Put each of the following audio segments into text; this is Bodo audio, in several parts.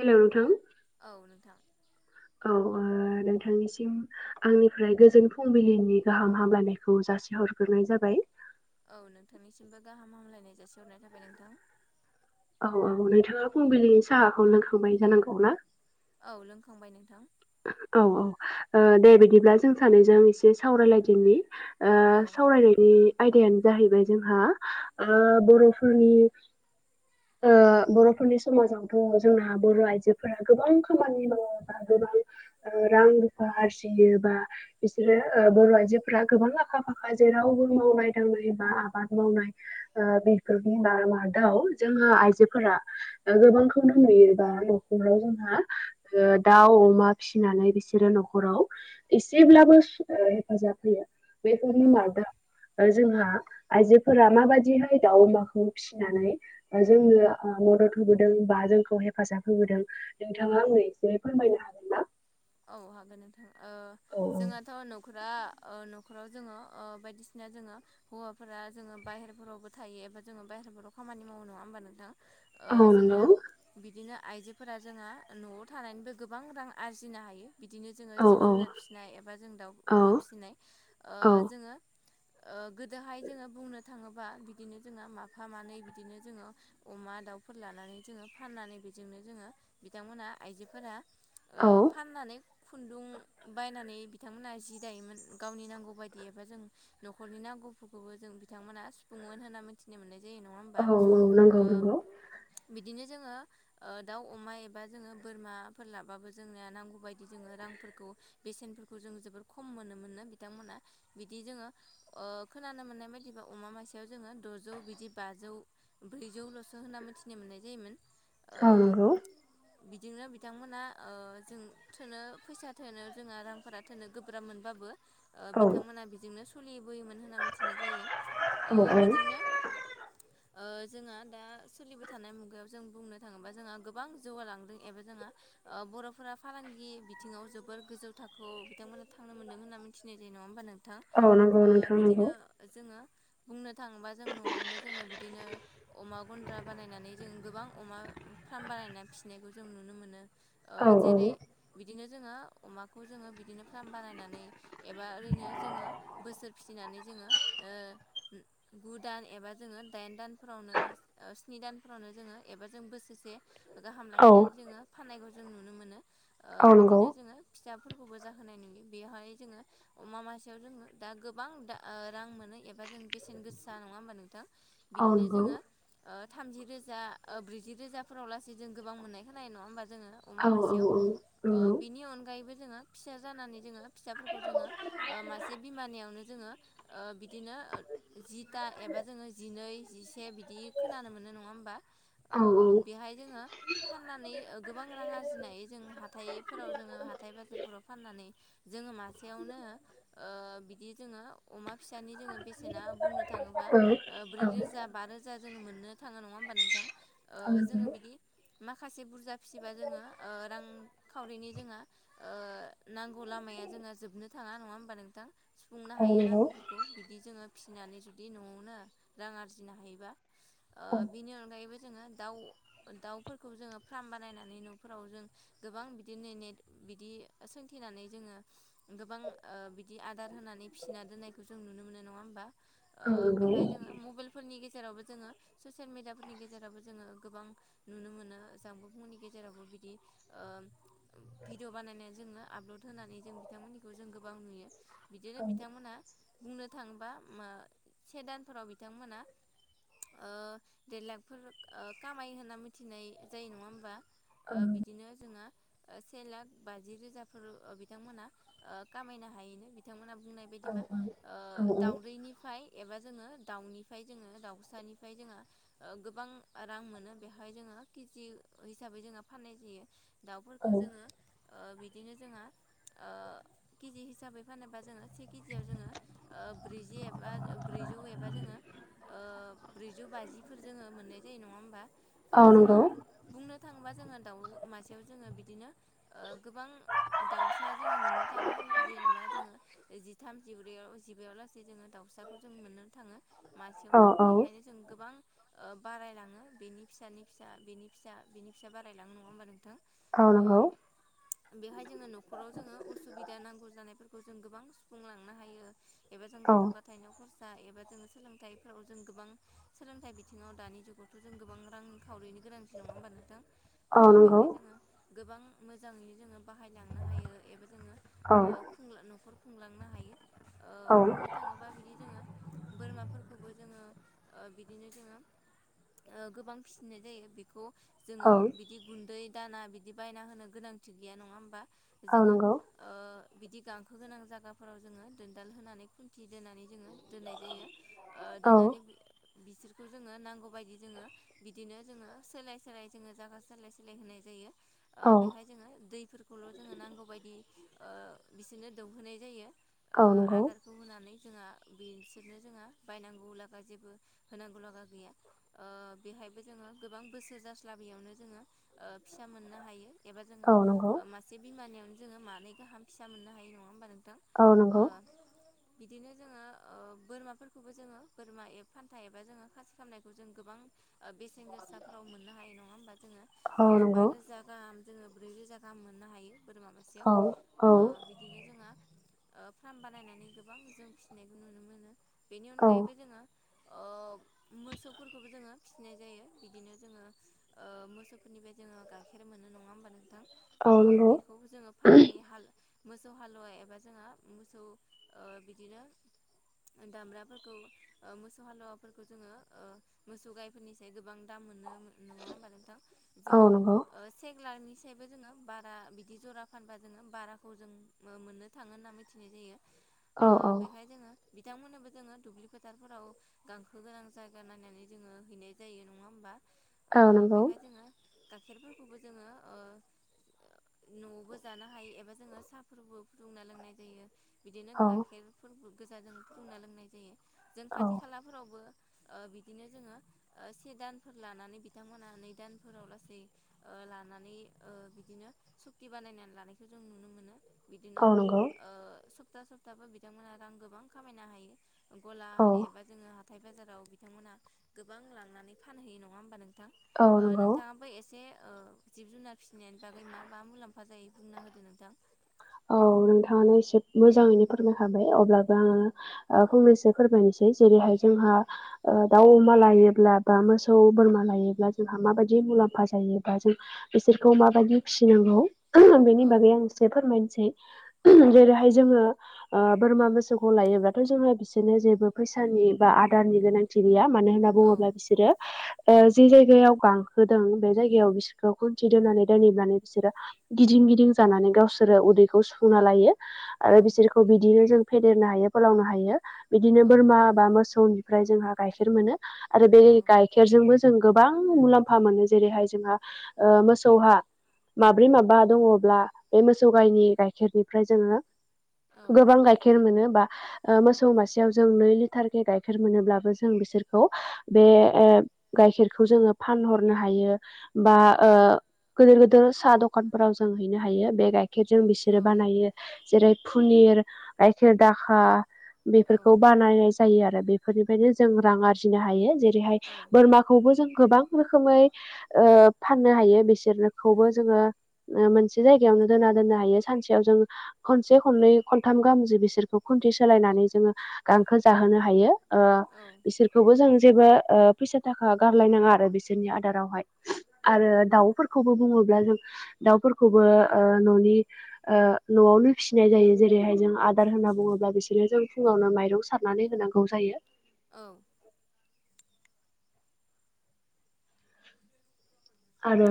हेल' नोंथां। औ नोंथां। औ ओ नोंथांनिसिम आंनिफ्राय गोजोन फुंबिलिनि गाहाम हामलायनायखौ जा सिहरग्रोनाय जाबाय। औ नोंथांनिसिमबो गाहाम हामलायनाय जासिहरनाय थाबाय नोंथां। औ औ नोंथाङा फुंबिलिनि साहाखौ लोंखांबाय जानांगौ ना? औ लोंखांबाय नोंथां औ औ दे बिदिब्ला जों सानैजों एसे सावरायलायदोंनि ओ औ सावरायनायनि आयदायानो जाहैबाय जोंहा ओ बर'फोरनि ओ बर'फोरनि समाजावथ' जोंना बर' आइजोफोरा गोबां खामानि मावोबा गोबां रां रुफा आरजियो बा बिसोरो बर' आइजोफोरा गोबां आखा फाखा जों जेरावबो मावनाय दांनाय बा आबाद मावनाय बेफोरनिार माव जों आइजोफोरा गोबांखौनो नुयोबा न'खराव जोंहा दाउ अमा फिसिनानै बिसोरो न'खराव एसेब्लाबो हेफाजाब औ होयो। [inaudible] जोंहा आइजोफोरा माबाददिहाय दाउ अमाखौ फिसिनानै जोङो मदद होबोदों बा जोंखौ हेफाजाब होबोदों नोंथाङा आंनो एसे फोरमायनो हागोन ना औ हागोन नोंथां ओ औ जोंहाथ' न'खर [inaudible] नखराव जोङो ओ बायदिसिना जोङो हौवाफोरा जोङो बाहेरफोरावबो थायो एबा जोङो बाहेर बेल' खाम माव नङा होमबा नोंथां ओ नंगौ जोंनिया बिदिनो आइजोफोरा जोंहा न'आव थानायानानैबो गोबां रां आरजिनो फिनो हायो। बिदिनो जोङो औ जिब जुनार फिसिनाय एबा जों दाउ औ अमा फिसिनाय ओ औ जोङो ओ गोदोहाय जोङो बुंनो थाङोबा बिदिनो जोंहा माफा मानै बिदिनो जोङो अमा दाउ दाउ फोर लानानै जोङो फाननानै बेजोंनो जोङो बिथांमोनहा आइजोफोरा ओ औ फाननानै खुन्दुं बायनानै बिथांमोनहा जि दायोमोन गावनि नांगौ बायदि एबा जों न'खरनि नांगौ। गुफुरखौबो जों बिथांमोना सुफुंमोन होन्ना मिथिनो मोननाय जायो नङा हबा? औ नंगौ नंगौ बिदिनो ओ जोङो दाउ अमा एबा जोङो बोरमाफोर लाबाबो जोंनिया नांगौ बायदि जोङो रांफोरखौ बेसेनफोरखौ जों जोोबोर खम मोनोमोननो बिथांमोना बिदि जोङो ओ खोनानो मोननाय बायदिबा अमा मासेयाव जोङो द'जौ बिदि बाजौ ब्रैजौल'स होनना मिथिनो मोननाय जायोमोन। ओ नंगौ। बिदिनो बिथांमोना ओ जों थोनो फैसा थोनो जोंहा रांफोरा थोनो गोब्राब मोनबाबो ओ औ बिथांमोना बेजोंनो सोलियो। बोयोमोन होनना मिथिनाय जायो ओ औ बिजोंनो [inaudible] जों दा सोलिबाय थानाय मुगायाव जों बुंनो थाङोबा जोंहा गोबां जौगालांदों एबा जोंहा बर'फोरा फालांगि बिथिङाव जोबोर गोजौ थाखो बिथांमोना थांनो मोन्दों होनना मिथिनाय जायो नङा होमबा नों था औ नंगौ नोंथां नंगौ बिदिनो जोङो बुंनो थाङोबा जों नआवनो जोङो बिदिनो अमा गन्द्रा बानायनानै जों गोबां अमा फार्म बारायना फिसिनायखौ जों नुनो मोनो। ओ औ औ जेरै बिदिनो जोङो अमाखौ जोङो बिदिनो फार्म बानायनानै एबा ओरैनो जोङो बोसोर फिसिनानै जोङो गु दान एबा दाइन दान स्नि दान फोरावनो वनो जोङो एबा जों बोसोरसे गाहाम औ लाखिनानै जोङो फाननायखौ जों नुनो मोनो औ नंगौ बिदिनो जोङो फिसा। फोरखौबो जाय न बेयावहाय जोङो अमा मासेआव जोङो दा गोबां रां मोनो एबा बेसे गोसाङा हबा नोंथ औ बिदिनो जो नंगौ थामजि रोजा ब्रैजि रोजाफोराव लासै जों गोबां मोननाय खानाय नङा होमबा जोङो औ अमा औ मासेयाव नंगौ औ बिनि अनगायबो जोङो पिसा जानानै जोङो फिसाफोरखौ जोङो मासे बिमानियावनो जोङो बिदिनो जिथा एबा जोङो जिनै बिदि खोनानो मोनो नङा होमबा बेहाय जोङो फाननानै गोबां राङा आरजिनाय जों हााइफोराव जोङो हाथाय बाजारफोराव फाननानै जोङो मासेआवनो बिदि जोङो अमा फिसानि जोङो बेसेना बुंनो थाङोबा ब्रै रोजा बा रोजा जोङो मोननो थाङो नङा होमबा नोंथाङा ओ जोङो बिदि माखासे बुरजा फिबा जोङो रांखावरिनि जोंहा नांगौ लामाया जोंहा जोबनो थाङा नङा होमबा नोंथां सुफुंनो औ हायो नंगौ नांगौफोरखौ बिदि जोङो फिसिनानै जुदि नआवनो रां आरजिनो हायोबा ओ औ बिनि अनगायबो जोङो दाउ दाउफोरखौ जोङो फार्म बानायनानै नफोराव जों गोबां बिदिनो नेट बिदि सोंथिनानै जोङो गोबां बि बिदि आदार होनानै फिसिना दोननायखौ जों नुनो मोनो नङा होमबा औ नंगौ बेहाय जोङो मबाइल फोरनि गेजेराव जेरावबो जोङो ससिल मिडिया फोरनि गेजेरावबो जोङो गोबां नुनो मोनो जामबुंफुंनि गेजेरावबो बिदि ओ भिडिअ बानायनाय जोंनो आपलड होनानै जों बिथांमोननिखौ जों गोबां नुयो बिदिनो औ औ बिथांमोना बुंनो थाङोबा से दानफोराव बिथांमोना देर लाखफोर खामायो होनना मिथिनाय जायो नङा होमबा ओ बिदिनो जोङो से लाख बाज रोजाफोर बिथांमोना खामायनो हायोनो बिथांमोना बुंनाय बायदिबा नंगौ ओ दाउदैनिफ्राय एबा जोङो दाउनिफ्राय जोङो दाउसानिफ्राय जोङो गोबां रां मोनो बेहाय जोङो केजि हिसाबै जोङो फाननाय जायो औ नंगौ औ दाउफोरखौ जोङो बिदिनो जोंहा केजि हिसाबै फानोबा जोङो सिक्स केजिआव जोङो ब्रैजि एबा ब्रैजौ एबा जोङो ब्रौजौबाजि जिफोर जोङो मोननाय जायो नङा होमबा औ नंगौ जोङहा बुंनो थाङोबा जोङो दाउ मासेयाव जोङो बिदिनो गोबां दाउसा जोङो मोननो थाङो जेनेबा जोङो जिथाम जिब्रैयाव जिब्रायाव लासै जोङो दाउसाखौ जों मोननो थाङो औ मासेयावनो बेहायनो जों गोबां बारायलाङो बेनि फिसानि फिसा बेनि फिसा बेनि फिसा बारायलाङो नङा होमबा नोंथां औ नंगौ बेहाय जोङो नखराव जोङो असुबिदा नांगौ जानायफोरखौ खौ जों गोबां सुफुंलांनो हायो एबा जों औ गथ गथाय नखर एबा जोङ सोलोंथाइफोराव जों गोबां सोलोंथाइ बिथिङाव दानि जुगावथ' जों गोबां रां खावरिनो गोनांथि नङा होनबा नोंथां औ औ नंगौ बेहाय गोबां मोजाङैनो जोङो बाहायलांनो हायो एबा जोङो खुं नखर खुंलांनो हायो बुंनो थाङोबा बिदि जोङो बोरमाफोरखौबो जोङो बिदिनो जोङो गोबां फिसिनाय जायो बेखौ जोङो बिदि गुन्दै दाना बिदि बायना होनो गोनांथि गैया नङा होमबा जोङो बिदि गांखो गोनां जायगाफोराव जोङो दोनदाल होनानै खुन् थ दोननानै जोङो दोननाय जायो दोननानै बिसोरखौ जोङो नांगौबायायदि जोङो बिदिनो जोङो सोलाय सोलाय जोङो जायागा सोलाय सोलाय होनाय जायो बेहाय जोङो दैफोरखौल' जोङो नांगौबायायदि बिसोरनो दौहोनाय जायो आदारखौ होनानै जोंहा बिसोरनो जोंहा बायनांगौ लागा जेबो होनांगौ लागा गैयााय ज गो बो जयाव जो फिसा मोननो हायो एबा जोङो मासे बिमानि जोङो मानै गाहाम फिसा मोननो हायो नङा होमबा नोंथां बिदिनो जोङो बोरमाफोरखौबो जोङो बोरमा ए फान्था एबा जोङो खासि खालामनायखौ जों गोबां बेसेन गोसाफोराव मोननो हायो नङा होमबा जोङो ओ बा रोजा गाहाम जोङो ब्रै रोजा गाहाम मोननो हायो। बोरमा मासेयाव ओ बिदिनो जोंहा फार्म बानायनानै गोबां जों फिसिनायखौ नुनो मोनो। बेनि अनगायैबो जोङो ओ मोसौफोरखौबो जोङो फिसिनाय जायो। बिदिनो जोङो ओ मोसौ फोरनिफ्राय जोङो गाइखेर मोनो नङा होमबा नोंथां बेखौ जोङो फाननानै हाल मोसौ हालुवा एबा जोंहा मोसौ बिदिनो दामब्राफोरखौ मोसौ हालुवाफोरखौ जोङो अ मोसौ गायफोरनिसाय गोबां मोनो नङा होनबा नोंथां जोङो सेक फग्लारनि सबो जोङो बारा बिदि जरा फानबा जोङो बाराखौ जों मोननो थाङो होनना मिथिनाय जायो। ओ बेहाय जोङो बिथांमोननोबो जोङो दुब्लि फोथारफोराव गांखो गोनां जायगा नायनानै जोङो हैनाय जायो नङा होमबा। ओ बेहाय जोङो गाइखेरफोरखौबो जोङो ओ न'आवबो जानो हायो एबा जोङो साहाफोरबो फुदुंना लोंनाय जायो। बिदिनो गाइखेरफोरबो गोजाजों फुदुंना लोंनाय जायो जों खाथि खालाफोरावबो बिदिनो जोङो से दानफोर लानानै बिथांमोना नै दान फोराव लासै ओ लानानै ओ बिदिनो सुक्ति बानायनानै लानायखौ जों नुनो मोनो। बिदिनो ओ सप्ता सप्ताबो बिथांमोना रां गोबां खामायनो हायो। गला औ एबा जोङो हाथाय बाजाराव बिथांमोनहा गोबां लांनानै फानहैयो नङा होमबा नों ओ नंगौ। ओमफ्राय एसे ओ जिब जुनार फिसिनायनि बागै मा मा मुलाम्फा जायो बुंना होदो नोंथां। औ नोंथाङानो एसे मोजाङैनो फोरमायखाबाय अब्लाबो आङो फंनैसो फोरमायनोसै जेरैहाय जोंहा दाउ अमा लायोब्ला बा मोसौ बोरमा लायोब्ला जोंहा माबायदि मुलाम्फा जायोबा जों बिसोरखौ माबायदि फिसिनांगौ बेनि औ बागै आं एसे फोरमायनोसै औ जेरैहाय जोङो ओ बोरमा मोसौखौ लायोबथ' जोंहा बिसोरनो जेबो फैसानि बा आदारनि गोनांथि गैया। मानो होनना औ बुङोबा बिसोरो जे जायगायाव गांहोदों बे जायगायाव बिसोरखौ खन्से दोननानै दोनहैब्लानो बिसोरो गिदिर गिदिं जानानै गावसोरो उदै खौ सुफुंना लायो। औ आरो बिसोरखौ बिदिनो जों फेदेरनो हायो फोलावनो हायो। बिदिनो औ बोरमा बा मोसौनिफ्राय जोंहा गाइखेर मोनो आरो बे औ गाइखेरजोंबो जों गोबां मुलाम्फा मोनो जेरैहाय जोंहा ओ मोसौहा माब्रै माबा दङब्ला बे मोसौ गायनि गयखेरनिफ्राय जोङो औ गोबां गायखेर मोनो। मोसौ मासेवाय नै लितार के गायखेर मोनोब्लाबो जों बिसोरखौ बे गाइखेरखौ जोङो फानहरनो हायो बा ओ गिदिर गिदिर साहा दखानफोराव जों हैनो हायो बे गाइखेरजों बिसि औ जै बानायो जेरै पनिर गायखेर दाखा औ बेफोरखौ बानायनाय जायो आरो बेफोरनिफ्रायनो जों रां आरजिनो हायो। जेरैहाय औ बोरमाखौबो जों गोबां रोखोमै ओ फाननो हायो बिसोरनोखौबो जोङो मोनसे जायगायावनो दोन हायो सानसेयाव जों खसे खनै खथाम गाहाम बिसोरखौ खुन्थि सोलायनानै जोङो गांखो जाहोनो हायो। ओ बिसोरखौबो जों जेबो ओ फैसा थाखा गारलायनाङा आरो बिसोरनि आदारावहाय। आरो दाउफोरखौबो बुङोब्ला जों दाउफोरखौबो अ न'नि ओ न'आवनो फिसिनाय जायो जेरैहाय जों आदार होनना बुङोब्ला बिसोरनो जों फुङावनो माइरं सारनानै होन नांगौ जायो। औ। आरो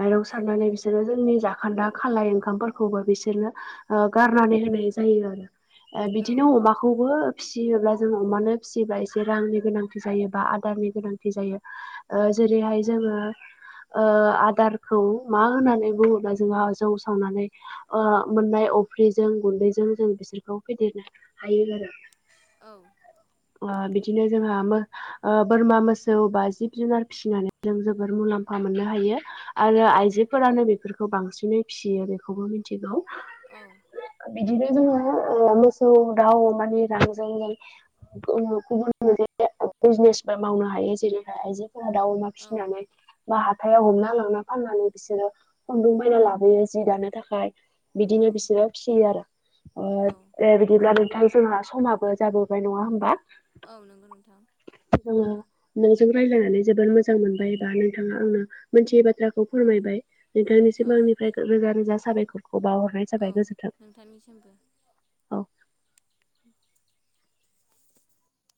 माइरं सारनानै बिसोरो जोंनि जाखान्दा खालाय ओंखामफोरखौबो बिसोरनो गारनानै होनाय जायो आरो। बिदिनो अमाखौबो फिसियोब्ला जों अमानो फिसियोब्ला एसे रांनि गोनांथि जायो बा आदारनि गोनांथि जायो। जेरैहाय जोङो आदारखौ मा होननानै बुङोबा जोंहा जौ सावनानै मोन्नाय अफ्रिजों गुन्दैजों जों बिसोरखौ फेदेरनो हायो आरो औ बा बिदिनो जोंहा बोरमा मोसौ बा जिब जुनार फिसिनानै जों जोबोर मुलाम्फा मोनो। ननो हायो आरो आइजोफोरानो बेफोरखौ बांसिनै फिसियो बेखौबो मिथिगौ बिदिनो जोङो मोसौ दाउ अमानि रांजों गुबुन [unintelligible] बिजनेसबो मावनो हायो जेरै आइजो दाव अमा औ फिसिनानै बाहा हमना लांना फाननानै बिसोरो खुन्दुं बायना लाबोयो जि दानो थाखाय औ बिदिनो बिसोरो फिसियो आरो बिदिब्ला नोंथाय जोंहा समाबो जाबो नङा होमबा। औ नंगौ नोंथां। जोङो नोंजों रायलायनानै जोबोर मोजां मोनबाय बा नोंथाङा आंनो मोनथियै बाथ्राखौ फोरमायबाय औ नोंथांनिसिम आंनिफ्राय रोजा रोजा साबायखर खौ बावहरनाय जाबाय औ गोजोन्थों नोंथांनिसिमबो औ।